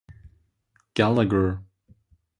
Gallagher.